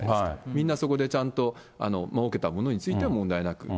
みんなそこでちゃんと、もうけたものについては問題なく。